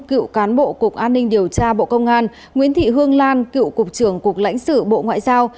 cựu cán bộ cục an ninh điều tra bộ công an nguyễn thị hương lan cựu cục trưởng cục lãnh sự bộ ngoại giao